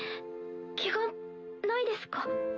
ケガないですか？